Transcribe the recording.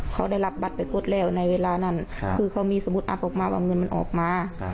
เขาได้รับบัตรไปกดแล้วในเวลานั้นคือเขามีสมมุติอัพออกมาว่าเงินมันออกมา